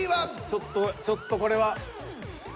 ちょっとちょっとこれは。